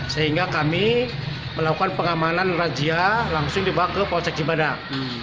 sehingga kami melakukan pengamanan razia langsung dibawa ke polsek cibadak